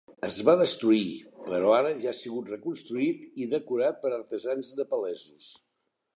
Es va destruir, però ara ha sigut reconstruït i decorat per artesans nepalesos.